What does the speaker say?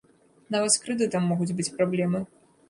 Нават з крэдытам могуць быць праблемы.